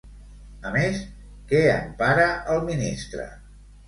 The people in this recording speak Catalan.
A més, què empara el ministre?